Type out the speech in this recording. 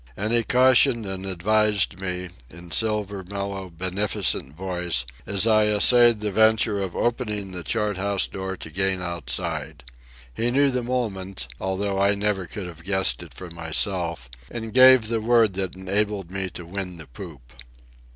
And he cautioned and advised me, in silver mellow beneficent voice, as I essayed the venture of opening the chart house door to gain outside. He knew the moment, although I never could have guessed it for myself, and gave the word that enabled me to win the poop.